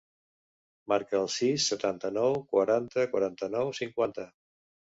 Marca el sis, setanta-nou, quaranta, quaranta-nou, cinquanta.